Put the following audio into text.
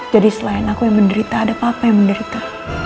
jadi selain aku yang menderita ada papa yang menderita